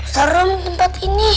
serem tempat ini